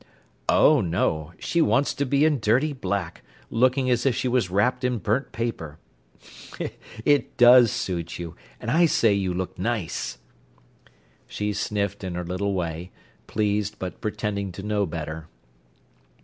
"Oh no! she wants to be in dirty black, looking as if she was wrapped in burnt paper. It does suit you, and I say you look nice." She sniffed in her little way, pleased, but pretending to know better.